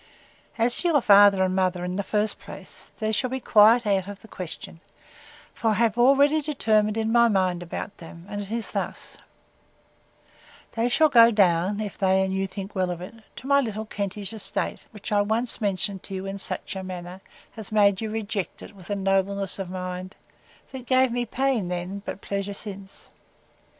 As to your father and mother, in the first place, they shall be quite out of the question; for I have already determined in my mind about them; and it is thus: They shall go down, if they and you think well of it, to my little Kentish estate; which I once mentioned to you in such a manner, as made you reject it with a nobleness of mind, that gave me pain then, but pleasure since.